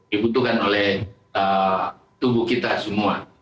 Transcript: dibutuhkan oleh tubuh kita semua